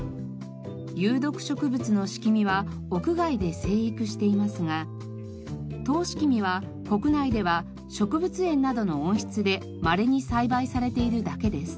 有毒植物のシキミは屋外で生育していますがトウシキミは国内では植物園などの温室でまれに栽培されているだけです。